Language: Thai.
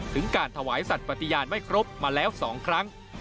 ถึงการถวายสัตว์ปฏิญาณไม่ครบมาแล้ว๒ครั้ง